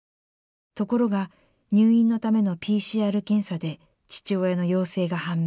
ところが入院のためのＰＣＲ検査で父親の陽性が判明。